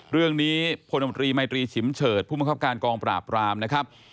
เรื่องนี้พลมตรีไมตรีฉิมเฉิดผู้มังคับการกองปราบรามนะครับ